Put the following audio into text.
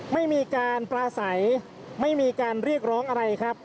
ไม่มีการปลาใสไม่มีการเรียกร้องอะไรครับ